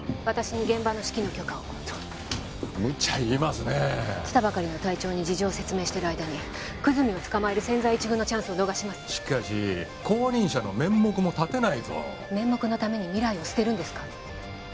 私に現場の指揮の許可をムチャ言いますねえ来たばかりの隊長に事情を説明してる間に久住を捕まえる千載一遇のチャンスを逃しますしかし後任者の面目も立てないと面目のために未来を捨てるんですか？